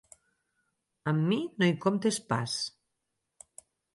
Amb mi no hi comptis pas.